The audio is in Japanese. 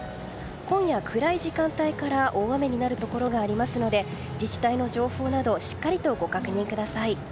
今夜、暗い時間帯から大雨になるところがあるので自治体の情報などしっかりとご確認ください。